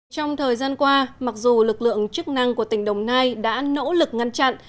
trong thời gian qua mặc dù lực lượng chức năng của tỉnh đồng nai đã nỗ lực ngăn chặn